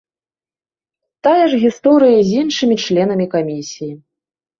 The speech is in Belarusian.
Тая ж гісторыя і з іншымі членамі камісіі.